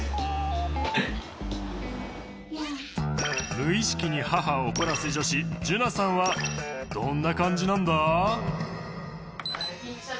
無意識に母を怒らせ女子じゅなさんはどんな感じなんだ？